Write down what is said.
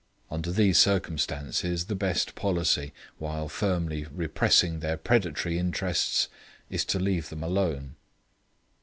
Under these circumstances, the best policy, whilst firmly repressing their predatory instincts, is to leave them alone.